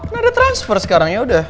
nah udah transfer sekarang yaudah